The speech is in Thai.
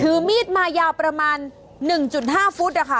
ถือมีดมายาวประมาณ๑๕ฟุตนะคะ